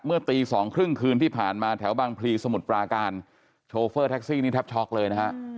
ตีสองครึ่งคืนที่ผ่านมาแถวบางพลีสมุทรปราการโชเฟอร์แท็กซี่นี่แทบช็อกเลยนะฮะ